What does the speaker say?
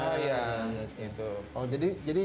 naikkan yang terlalu berbahaya